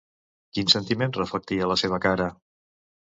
Quin sentiment reflectia la seva cara?